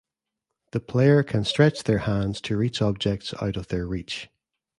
The player can stretch their hands to reach objects out of their reach.